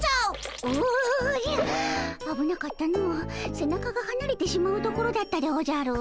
背中がはなれてしまうところだったでおじゃる。